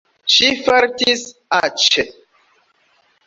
Ŝi fartis aĉe.